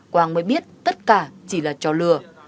quang mới biết tất cả chỉ là trò lừa